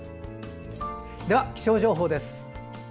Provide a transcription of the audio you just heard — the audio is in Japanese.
では、気象情報です。